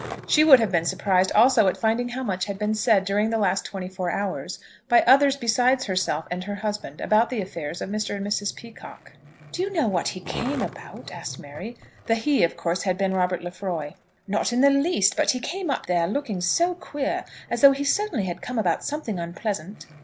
She would have been surprised also at finding how much had been said during the last twenty four hours by others besides herself and her husband about the affairs of Mr. and Mrs. Peacocke. "Do you know what he came about?" asked Mary. The "he" had of course been Robert Lefroy. "Not in the least; but he came up there looking so queer, as though he certainly had come about something unpleasant."